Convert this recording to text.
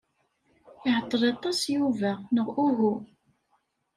Iɛeṭṭel aṭas Yuba neɣ uhu?